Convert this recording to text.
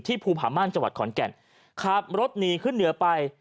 ที่ภูผาม่านจขอนแก่นขับรถหนีขึ้นเหนือไป